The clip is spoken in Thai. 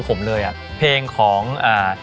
พี่อ๋อมไม่ได้ครับ